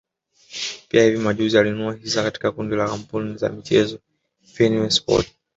Pia hivi majuzi alinunua hisa katika kundi la kampuni za michezo Fenway sports